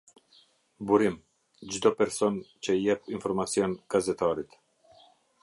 Burim — çdo person, që i jep informacion gazetarit.